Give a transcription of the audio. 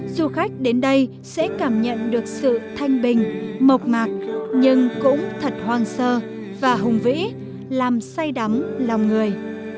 du khách đến đây sẽ cảm nhận được sự thanh bình mộc mạc nhưng cũng thật hoang sơ và hùng vĩ làm say đắm lòng người